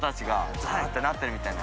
ザッてなってるみたいな。